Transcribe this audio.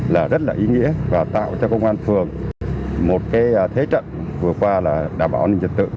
là rất là ý nghĩa và tạo cho công an thường một thế trận vừa qua là đảm bảo an ninh thực tự